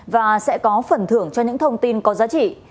và sẽ có phần thưởng cho những thông tin có giá trị